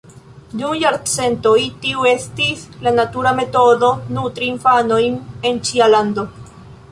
Dum jarcentoj tiu estis la natura metodo nutri infanojn en ĉia lando.